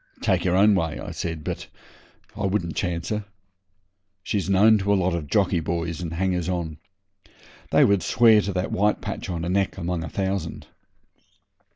'Take your own way,' I said, 'but I wouldn't chance her. She's known to a lot of jockey boys and hangers on. They could swear to that white patch on her neck among a thousand.'